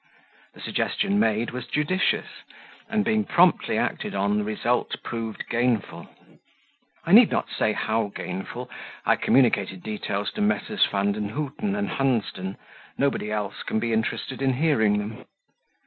The suggestion made was judicious; and, being promptly acted on, the result proved gainful I need not say how gainful; I communicated details to Messrs. Vandenhuten and Hunsden; nobody else can be interested in hearing them.